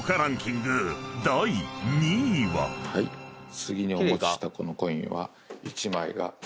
次にお持ちしたこのコインは。